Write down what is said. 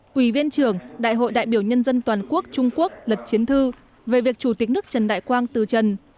quỷ viên trưởng đại hội đại biểu nhân dân toàn quốc trung quốc lật chiến thư về việc chủ tịch nước trần đại quang từ trần